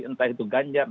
entah itu ganjak